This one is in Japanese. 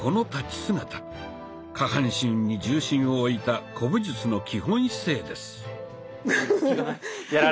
下半身に重心をおいた古武術の基本姿勢です。